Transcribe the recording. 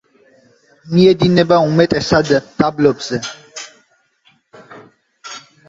მიედინება უმეტესად დაბლობზე.